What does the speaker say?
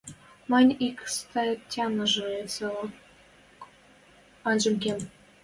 Мӹнь ик статянжы цилӓок анжен кем...